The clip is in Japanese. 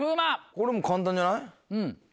これもう簡単じゃない？